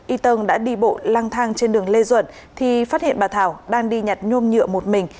y tân đã đi bộ lang thang trên đường lê duẩn thì phát hiện bà thảo đang đi nhặt nhôm nhựa một mình